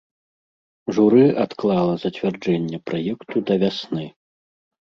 Журы адклала зацвярджэнне праекту да вясны.